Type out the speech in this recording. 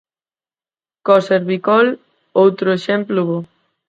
Co-servicol, outro exemplo bo.